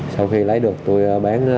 sau khi lấy được tôi bắt giữ